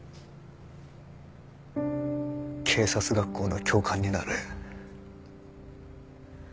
警察学校の教官になれ。